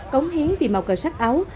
cống hiến vì màu cờ sắc áo